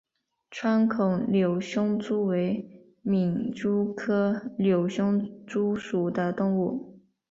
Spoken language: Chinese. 穿孔瘤胸蛛为皿蛛科瘤胸蛛属的动物。